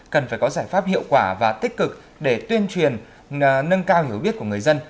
cần phải có giải pháp hiệu quả và tích cực để tuyên truyền nâng cao hiểu biết của người dân